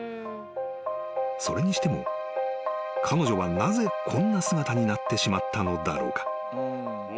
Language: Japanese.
［それにしても彼女はなぜこんな姿になってしまったのだろうか？］